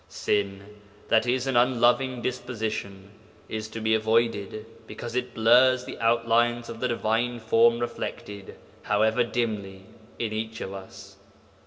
Sin (i.e. an unloving disposition) is to be avoided because it blurs the outlines of the Divine Form reflected, however dimly, in each of us.